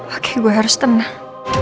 oke gue harus tenang